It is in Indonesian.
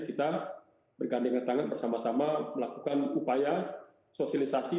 kita bergandengan tangan bersama sama melakukan upaya sosialisasi